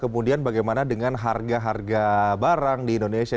kemudian bagaimana dengan harga harga barang di indonesia